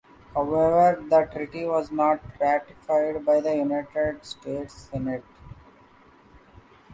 However, the treaty was not ratified by the United States Senate.